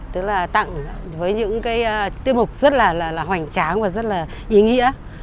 tức là tặng với những cái tiết mục rất là hoành tráng và rất là ý nghĩa